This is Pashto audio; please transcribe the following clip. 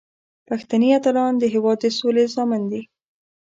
پښتني اتلان د هیواد د سولې ضامن دي.